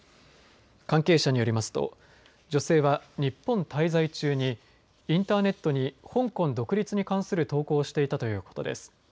関係者によりますと女性は日本滞在中にインターネットに香港独立に関する投稿をしていたということです。